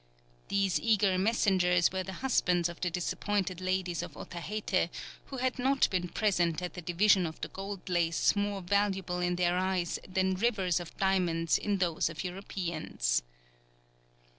These eager messengers were the husbands of the disappointed ladies of Otaheite who had not been present at the division of the gold lace more valuable in their eyes than rivers of diamonds in those of Europeans.